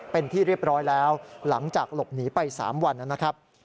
เป็นที่เรียบร้อยแล้วหลังจากหลบหนีไป๓วันนะครับ